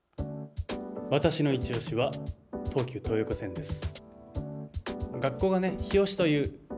私のいちオシは東急東横線です。